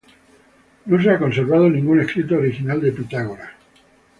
No se ha conservado ningún escrito original de Pitágoras.